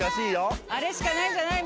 あれしかないんじゃない？